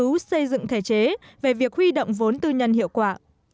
chủ xây dựng thể chế về việc huy động vốn tư nhân hiệu quả